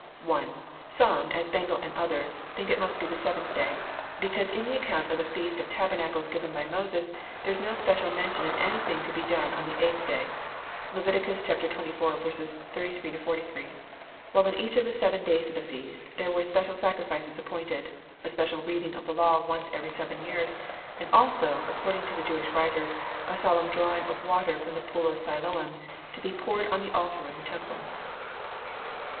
(1) Some, as Bengel, and others, think it must be the seventh day, because in the account of the feast of tabernacles given by Moses, there is no special mention of anything to be done on the eighth day ; (Levit. xxiv. 33 — 43 ;) while on each of the seven days of the feast there were special sacrifices appointed, a spe cial reading of the law once every seven years, and also, accord ing to the Jewish writers, a solemn drawing of water from tho pool of Siloam, to be poured on the altar in the temple.